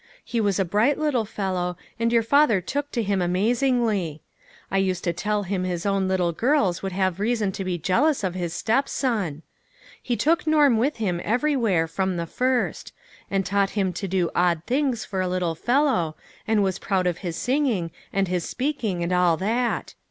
He was a bright little fellow, and your father took to him amazingly. I used to tell him his own little girls would have reason to be jealous of his step son. He took Norm with him every where, from the first. And taught him to do odd things, for a little fellow, and was proud of his singing, and his speaking, and all that.